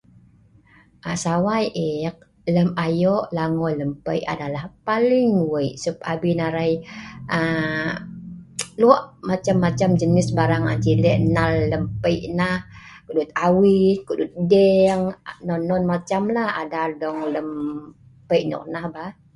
sawai eek lem ayo langoi lem pei adalah paling wei abin arai aa lok macam-macam jenis barang ma ceh le nal lem pei nah kudut awit kudut deng aa non-non macam la ada dong lem pei noknah bah